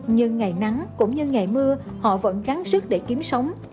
nhưng ngày nắng cũng như ngày mưa họ vẫn gắn sức để kiếm sống